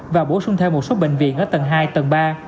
và bổ sung thêm một số bệnh viện ở tầng hai tầng ba